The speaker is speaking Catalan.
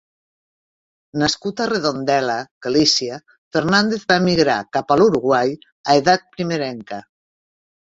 Nascut a Redondela, Galícia, Fernández va emigrar cap a l'Uruguai a edat primerenca.